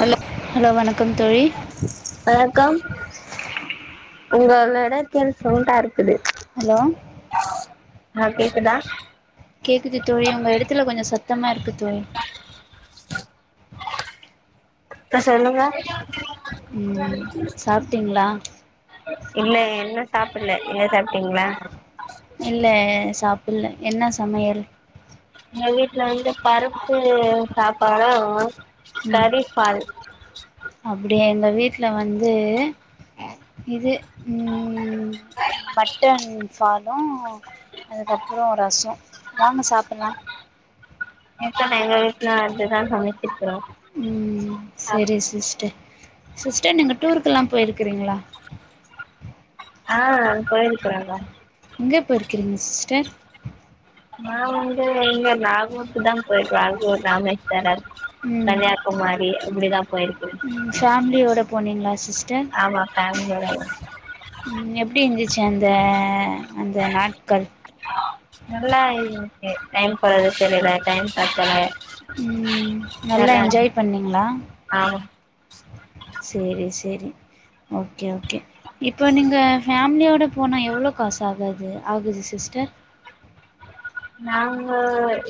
Hello hello வணக்கம் தோழி. உங்கலோட தில் சவுண்டா இருக்குது ஹலோ ஆ கேக்குதா கேக்குது தோழி உங்க இடத்துல கொஞ்ச சத்தமா இருக்கு தோழி இப்ப சொல்லுங்க. ம் சாப்ட்டீங்களா இல்ல இன்னு சாப்பல எங்க தம் டிங்களா இல்ல சாப்பில்ல என்ன சமையல்? எங்க வீட்டுல வந்து பருப்பு சாப்பாடு ம் கறி பால் இந்த வீட்ல வந்து இது ம் மட்டன் சார் து அதுக்கப்புறோ ரசோ வாங்க சாப்புலா கிச்சன்ல எங்க வீட்ல வந்து தா சமைப் ம் செரி சிஸ்டர் சிஸ்டர் நீங்க டூருக்கெல்லா போயிருக்கிறீங்களா ஆ போயிருக்குறேங்க எங்கே போய்ருக்கிறீங்க சிஸ்டர் நா வந்து இங்க நாகூர்க்த போயுருகே நாகூர் ராமேஷ்வர ம் கன்னியாகுமாரி அப்புடிதா ஃபேமிலியோட போனீங்களா சிஸ்டர் ஆமா ஃபேமிலியோட ம் எப்புடி இருந்துச் சு அந்த அந்த நாட்கள் நல்லாருந்துச்சு டைம் போறதே தெரியல டைம் பத்தல உம் நல்லா தர்றாங்க. என்ஜாய் பண்ணீங்களா ஆமா சேரி சேரி ஓகே ஓகே இப்ப நீங்க ஃபேமிலியோட போனா எவ்ளோ காசு ஆகாது ஆகுது சிஸ்டர் நாங்க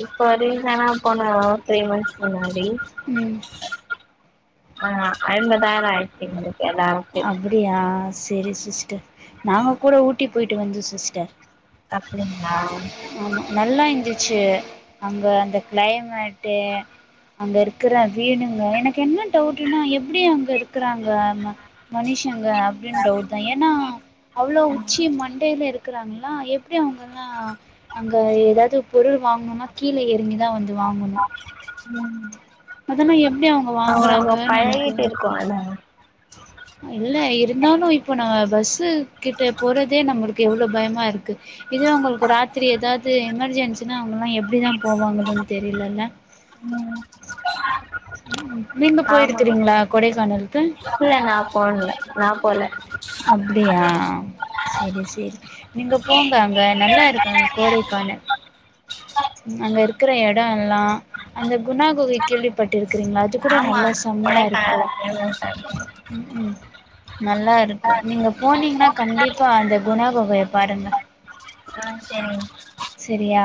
இப்ப ரிசனா போனோ த்ரீ மன்த்ஸ்க்கு முன்னாடி ம் ஆஹ் ஐம்பதாயிர ஆயிடுச்சுங்கோ அப்புடியா சேரி சிஸ்டர் நாங்க கூட ஊட்டி போயிட்டு வந்தோ சிஸ்டர் அப்டிங்களா ச்சு அங்க அந்த கிளைமேட்டு் அங்க இருக்கிற வீடுங்க எனக்கு என்ன டவுட்டுனா எப்படி அங்க இருக்குறாங்க மனுஷங்க அப்டின் டவுட் தா ஏனா அவ்ளோ உச்சி மண்டேல இருக் இருக்குறாங்களா எப்புடி அவங்கல்லா அங்க ஏதாது பொருள் வாங்கணுனா கீழே இறங்கிதா வந்து வாங்கணு அதல்ல எப் அவ அவ பழகீட்டு இருக்கு இல்ல இல்லே இருந்தாலு இப்போ நாங் பஸ்சு கிட்ட போறதே நம்மளுக்கு எவ்வளவு பயமா இருக்கு இது அவங்களுக்கு ராத்திரி ஏதாது எமர்ஜென்சினா அவங்கல்லா எப்படிதா போவாங்கன்னுன் தெரியலல்ல ம் நீங்க போயிருக்கிறீங்களா கொடைகானல் [unintelligible] இல்லே நா போனதில்ல நா போல அப்டியா செரி செரி நீங்க போங்க அங்க நல்லா இருக்கா கோடைக்கானல் அங்க இருக்கிற எட எல்லா அந்த குணா கொகை கேள்விப்பட்டு இருக்கிறீங்களா அது கூட ஆமா நல்லா செம்மையா இருக்கு கொடைக்கானல் எவ்ளோ ம் ம் [unintelligible] நல்லா இருக் கு நீங்க போனீங்கன்னா கண்டிப்பா அந்த குணா கொகைய பாருங்க ஆ சரிங்க சரியா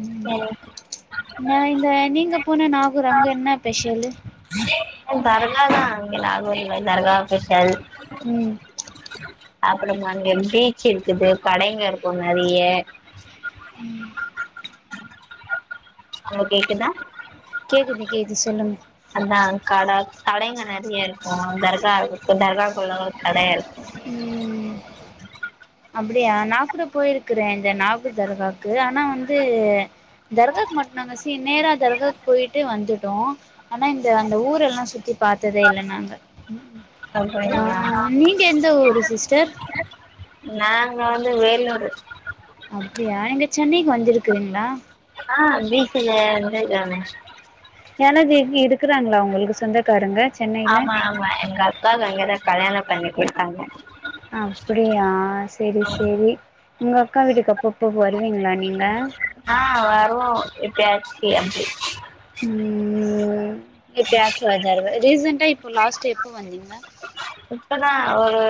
உம் சரி நா இந்த நீங்க போன நாகூர் அங்க என்ன ஃபெஸலு தர்கா தா அங்க நாகூர்ல தர்கா ஃபெஸல் ம் அப்புறமா அங்க பீச் இருக்குது கடைங்க இருக்கு நெறைய ம் அங்க கேக்குதா கேக்குது கேக்குது சொல்லுங்க அதா கட கடைங்க நெறை ய இருக்கு தர்கா தர்காக்குள்ள கடைய ம் அப்டியா நாகூட போயிருக்கறே இந்த நாகூர் தர்காக்கு ஆனா வந்து தர்காக்கு மட்டு நாங்க சி நேரா தர்காக்கு போயிட்டு வந்துட்டோ ஆனா இந்த அந்த ஊரெல்லா சுத்தி பாத்ததே இல்ல நாங்க சாப்பரீங்களா ந்ந ஊரு சிஸ்டர் நாங்க வந்து வேலூரு அப்டியா எங்க சென்னைக்கு வந்திருக்குறீங்களா யான எனக்கு து இருக்குறாங்களா உங்களுக்கு சொந்தக்காரங்க சென்னையில ஆமா ஆமா எங்க அக்காக்கு அங்கதா கல்யாண பண்ணி கொடுத் தாங்க அப்டியா செரி செரி உங்கக்கா வீட்டுக்கு அப்பப்ப வருவீங்களா நீங்க ஆஹ் வருவோ எப்பயாச்சு அப்டி உம் எப்பயாச்சு ஒரு தடவ ரீசண்டா இப்ப லாஸ்ட்டா எப்போ வந்தீங்க இப்பதா ஒரு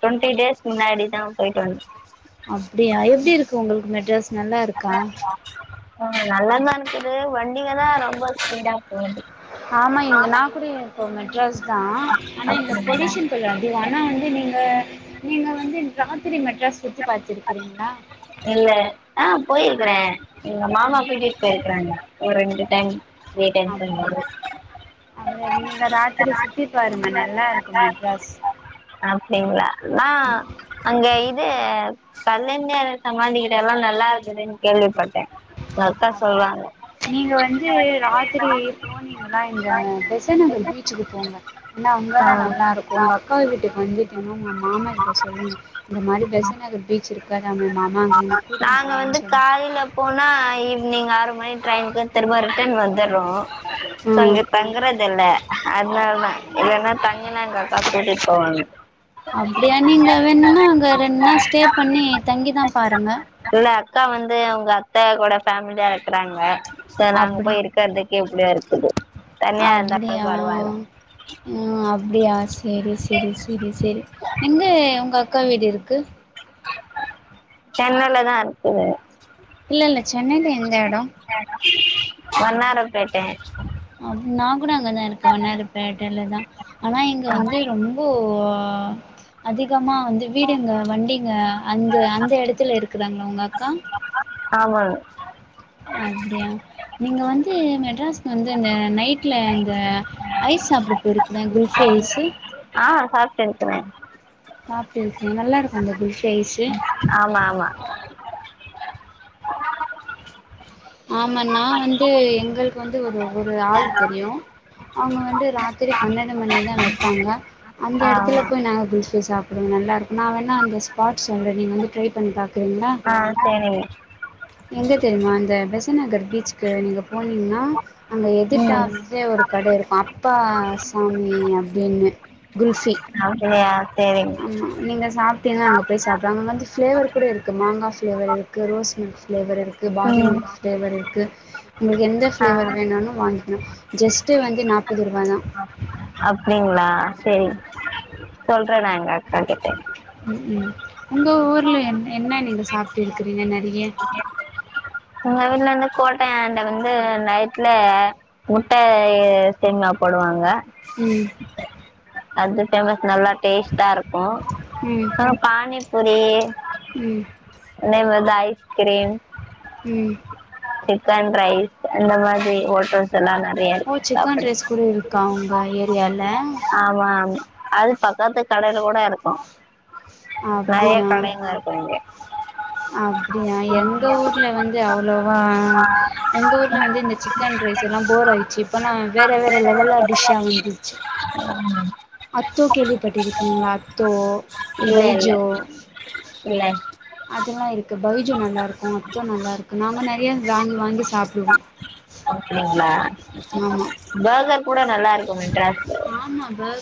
டுவொண்ட்டி டேஸ் முன்னாடிதா போயிட்டு வந்தோ அப்டியா எப்டி இருக்கு உங்களுக்கு மெட்ராஸ் நல்லாருக்கா ஆஹ நல்லா தா இருக்குது வண்டிதா ரொம்ப ஸ்பீடா போது ஆமா இங்க நா கூடயே ப்போ மெட்ராஸ் தா ஆனா இங்க அப்டிங்களா பொல்யூஷ தொல்ல அதிகோ ஆனா வந் நீங்க நீங்க வந்து ராத்திரி மெட்ராஸ் சுத்தி பாத்துருக்கிறீங்களா இல்ல ஆஹ் போயிருக்கறே எங்க மாமா ம் கூட்டிட்டு போய்ருக்கிறாங்க ஒர் ரெண்டு டைம் வேடென்ஷன் ஒரு அமே நீங்க ராத்திரி சுத்தி பாருங்க நல்லா இருக்கும் மெட்ராஸ் அப்டிங்களா நா அங்கய் ந்து கலைஞர் சமாதிக்கிட்டல்லா நல்லா இருக்குதுன்னு கேள்விப்பட்டே எங்க அக்கா அ சொல்றாங்க நீங்க வந்து ராத்திரி போனீங்கானா இந்த பெசன்ட்நகர் பீச்சுக்கு போங்க ஏன்னா ஆ அங்கதா நல்லாருக்கு உங்க அக்கா வீட்டுக் வந்துட்டு என்ன்ன உங்க மாமா கிட்ட சொல்லுங்க இந்த மாறி பெசன்ட்நகர் பீச் இருக்கு நாங்க வந்து சொல்லுங்க கார்ல போனா நீங்க ஆறு மணி ட்ரைனுக்கு திரும்ப ரிட்டன் வந் வந்தரோ சோ ம் அங்க தங்கறதுல்ல அதனாலதா இல்லன்னா தங்குனா அங்க அக்கா கூட்டிட்டு போவாங்க அப்படியா நீங்க வேணும்னா அங்க ரெண்டு நாள் ஸ்டே பண்ணி தங்கிதா பாருங்க இல்ல அக்கா வந்து அவங்க அத்தை கூட ஃபேமிலியா இருக்கறாங்க சொ நாங்க போய் இருக்கறதுக்கு எப்டியோ இருக்கு சொல்லு அப்டியா ம் அ பியாஸ் செரி செரி செரி செரி எங்க உங்க அக்கா வீடு இருக் கு சென்னைலதா இருக்குது இல்ல இல்ல சென்னைல எந்த எடோ வண்ணாரபேட்ட அப் நா கூட அங்கதா இருக்கே வண்ணாரப்பேட்டைல தா ஆனா இங்க வந்து ரொம்போ ஆ அதி அதிகமா வந்து வீடுங்க வண்டிங்க அங்க அந்த எடத்துல இருக்குதாங் உங்கக்கா ஆமாங்க அப்டியா நீங்க வந்து மெட்ராஸ் வந்து இந்த நைட்ல இந்த ஐஸ் சாப்ட போயிருக் குல்ஃபி ஐஸு சாப்ட்டுருக்கற நல்லாருக்கு அந்த குல்ஃபி ஐஸ்ஸூ ஆமா ஆமா ஆமா நா வந்து எங்களுக்கு வந்து ஒரு ஒரு ஆள் தெரியு அவுங்க வந்து ராத்திரி பண்ணெண்டு மணிதா வெப்பாங்க அந்த எடத்துல ஆமா போய் நாங்க குல்ஃபி சாப் அது நல்லாருக் நா வேணா அந்த ஸ்பாட் சொல்றே நீங்க வந்து ட்ரை பண்ணி பாக் றீங்களா ஆ சேரிங்க எங்க தெரியுமா இந்த எ பெசன்நகர் பீச்க்கு நீங்க போனீங்னா அங்க ம் எதுடாப்ஸே ஒரு கட இருக்கு அப்பா அசாமி அப்டின்னு குல்ஃபி அவுங்களையா சேரிங்க தின அங்க போய் சாப்டுவாங்க அங்க இருந்து பிளேவர் கூட இருக்கு மாங்கா பிளவர் இருக்கு ரோஸ் மில்க் பிளேவர் இருக் க்கு பாதேம் ம் இருக்கு உங்களுக்கு எந்த ஆ ஃப்ளேவர் வேனுனு வாங்கிக் ஜஸ்ட்டு வந்து நாப்பது ரூவ தா அப்படிங்களா செரி சொல்றே நா எங்க அக்கா கிட்ட ம் உங்க ஊர்ல என்-என்ன நீங்க சாப்ட்டு இருக்கிறீங்க நெறைய மொதல இந்த கோட்டையாண்ட வந்து நயித்தல முட்டை - இ- சேமியா போடுவாங்க ம் அந்த பேமஸ் நல்லார்க் டேஸ்டா இருக்கும் ம் இன்னு பானிப் ஒரே ம் எனக்கு வந்து ஐஸ்க்கிரீம் ம் சிக்கன் ரைஸ் அந்த மாதிரி ஹோட்டல்ஸ் எல்லா நெறைய ஓ இருக்கு சிக்கன் சாப்புட ரைஸ் கூட இருக்கா-உங்க ஏரியால ஆமா ஆமா அது பக்கத்து கடையல கூட இருக்கும் இங்க அப்பிடியா-அப்பிடியா எங்க ஊர்ல வந்து அவ்ளோவா ஆ எங்க ஊர்ல வந்து இந்த சிக்கன் ரைஸ் எல்லாம் போர் ஆயிடுச்சு இப்ப லா வந் ஆ [unintelligible] ம் அத்தோ கேல்வி பட்டு இருக்கீங்ளா அத்தோ இல்ல இல்ல பைஜோ இல்ல அதெல்லா இருக்கு பைஜோ நல்லா இருக்கோ அத்தோ நல்லா இருக்கோ நாங்க நறைய வாங்கி வாங்கி சாப்பிடுவோம் அப்டீங்களா பர்கர் கூட நல்லா இருக்குமே [unintelligible]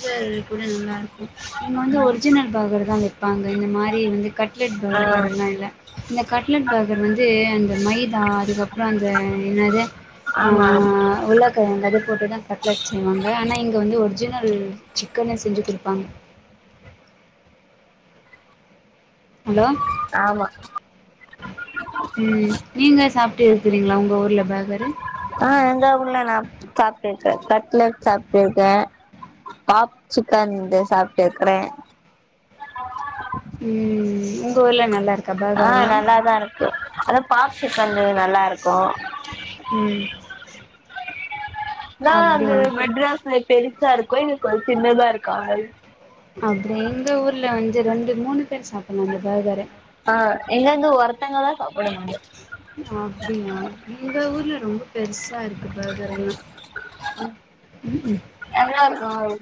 [unintelligible] இது கூட நல்லா இருக்கும் இங்க வந்து ஒரிஜினல் பர்கர் தான் விப்பாங்க இந்த மாரி வந்து கட்லட் பர் ஆ வேர இன்னா இல்ல இந்த கட்லட் பர்கர் வந்து அந்த மைதா அதுக்கப்றோ அந்த என்னது ஆமா ங்க இந்த மாறி போட்டுதான் கட்லேட் செய்வாங்க ஆனா இங்க வந்து ஒரிஜினல் சிக்கன செஞ்சு குடுப்பாங்க ஹலோ ஆமா ம் நீங்க சாப் ட்டு இருக்றீங்களா உங்க ஊர்ல பேக் ஆ எங்க ஊர்ல நா சாப் க்ரன் கட்லட் சாப்ட்டு இருக்கே பாப் சிக்கன் வந்து சாப்ட்டு இருக்கறே ம் போல நல்லா இருக்கு ஆ நல்லாதா இருக்கு அத பாப் சிக்கன் நல்லா இருக்கோ ம் நான் அப்டி அங்க மெட்ராஸ்ல டெண் பெருசா இருக்கு இங்க கொஞ்சோ சின்னதா இருக்காங்கல் அப்டிய எங்க ஊர்ல வந்து ரெண்டு மூணு பேர் சாப்ட்ல அந்த பார்கர் அ ஆஹ் இங்க வந்து ஒருத்தவங்க தா சாப்ட முடியு அப்டியா எங்க ஊர்ல ரொம்ப பெருசா இருக்கு பர்கர் எல்லா உக்கும் எவ்ளோ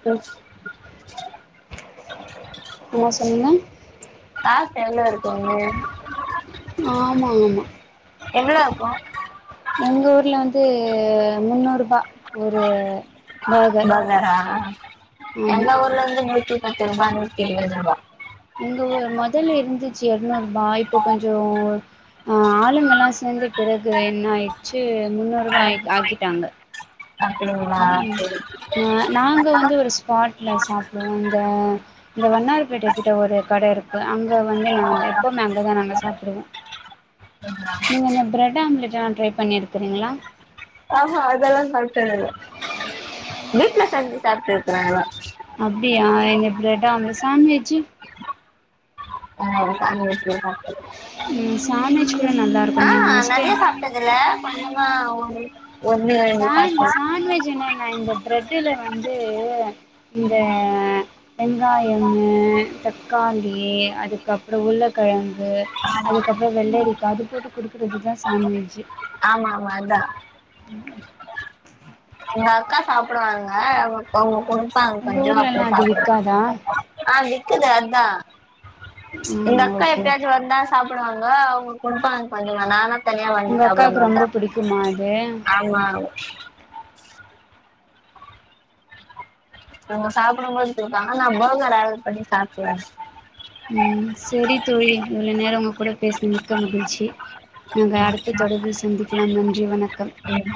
[unintelligible] அ சொல்லுங்க காசு எவ்ளோ இருக்குங்க ஆமா ஆமா எவ்ளோ இருக்கு எங்க ஊர்ல வந்து முன்னூரூபா ஒரு பர்கர் பர்கர்ராஹ் ஆமா எங்க ஊர்ல வந்து நூத்தி பத்து ரூபா நூத்தி ஐம்பது ரூபா எங்க ஊரு மொதல்ல இருந்துச்சு எர்நூறுபா இப்போ கொஞ்சோ ஆளுங்கலா சேந்த பிறகு என்ன ஆயிடுச்சு முன்னூரூபா ஆய்க் ஆக்கிட்டாங்க அப்டிங்களா ஹ்ம் சரி நாங்க வந்து ஒரு ஸ்பாட்ல சாப்டுவோ இந்த அ வண்ணார்பேட்டை கிட்ட ஒரு கட இருக்கு அங்க வந்து நா எப்பவுமே அங்கதா நாங்க சாப்டுவோ நீங்க இந்த பிரட் ஆம்ட்லெட் ட்ரை பண்ணி இருக்கீங்களா ஆஹ்ஹா அதெல்லா சாப்டதுல்ல வீட்ல செஞ்சி சாப்டு இருக்ராங்லா அப்டியா இந்த பிரெட் ஆம்லெட் சாண்ட்விஜு ஆஹ் சாண்ட்விச்லா ம் சாண்ட்விச் கூட நல்லா இருக்கு நீங்க ஆஹ் நெக்ஸ்ட் நெறைய டைம் சாப்டதுல்ல கொஞ்சமா பாரு சா சாண்ட்வஜ் என்ன நா இந்த பிரெட்லுல வந்து இந்த வெங்காயம்மு தக்காளி அதுக்கப்ரோ உருளக்கெழங்கு கு அதுக்கப்ரோ வெள்ளரிகா அது போட்டு கொடுக்குறதுதா சாண்ட் விச்சு ஆமா ஆமா அதா ம் எங்க அக்கா சாப்டுவாங்க ப்போ கொட்பாங் உங்க கொஞ்சமா ஊர்லல்லா போய் அது சாப்புடு விக்காதா ஆ விக் விக்கிது அதா ம் இந்தக்கா ஓகே எப்பியாஜ் வந்தா ஸ் சாப்புடுவாங்க அவ்ங்ளுக் குடுப்பாங் கொஞ்சமா நானா தனியா வந்து உங்க அக்காக்கு சாப்படமாட்ட ரொம்ப புடிக்குமா அது ஆமா அவ்ங்க சாப்புடும்போது கொடுப்பாங்க நா போகற் ஆடர் பண்ணி சாப்ட்ருவே உம் செரி தோழி இவ்ளோ நேரோ உங்க கூட பேஸ்ன மிக்க மகுழ்ச்சி நாங்க அடுத்த தொடர்பில் சந்திக்கிலா நன்றி வணக்கம் ம்